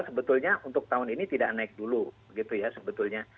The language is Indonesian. sebetulnya untuk tahun ini tidak naik dulu gitu ya sebetulnya